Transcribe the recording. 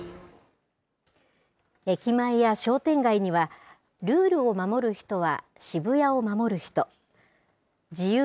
駅前や商店街には、ルールを守る人は、渋谷を守る人。